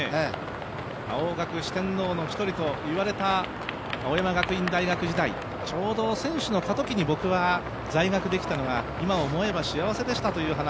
青学四天王の一人と言われた青山学院大学時代、ちょうど選手の過渡期に僕は在学できたのが今思えば幸せでしたという話。